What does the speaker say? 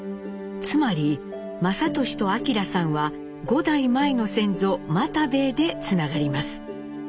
つまり雅俊と晃さんは５代前の先祖又兵衛でつながります。